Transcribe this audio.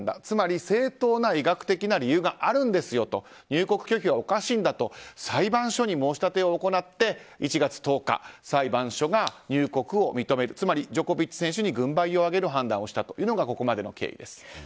つまり、正当な医学的な理由があるんですよと入国拒否はおかしいんだと裁判所に申し立てを行って１月１０日、裁判所が入国を認めるつまり、ジョコビッチ選手に軍配を上げる判断をしたのがここまでの経緯です。